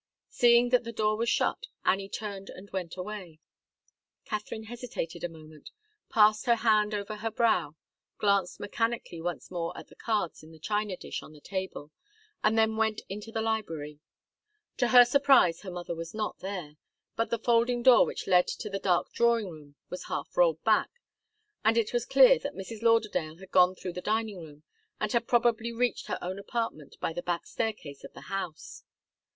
Seeing that the door was shut, Annie turned and went away. Katharine hesitated a moment, passed her hand over her brow, glanced mechanically once more at the cards in the china dish on the table and then went into the library. To her surprise her mother was not there, but the folding door which led to the dark drawing room was half rolled back, and it was clear that Mrs. Lauderdale had gone through the dining room, and had probably reached her own apartment by the back staircase of the house.